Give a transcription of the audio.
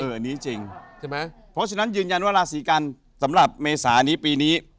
อันนี้จริงใช่ไหมเพราะฉะนั้นยืนยันว่าราศีกันสำหรับเมษานี้ปีนี้